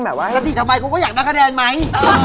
ถ้าฉีกทำไมกูก็อยากนั่งคะแดงไหม